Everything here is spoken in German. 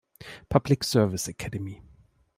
Public Service Academy".